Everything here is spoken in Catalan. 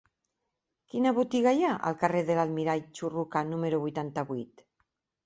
Quina botiga hi ha al carrer de l'Almirall Churruca número vuitanta-vuit?